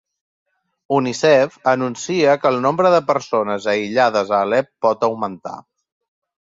Unicef anuncia que el nombre de persones aïllades a Alep pot augmentar